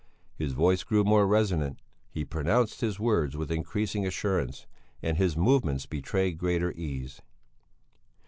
His voice grew more resonant; he pronounced his words with increasing assurance, and his movements betrayed greater ease.